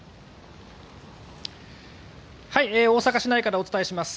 大阪市内からお伝えします。